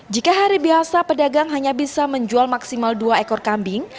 jika hari biasa pedagang hanya bisa menjual maksimal dua ekor kambing